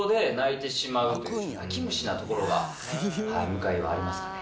なところが向井はありますかね。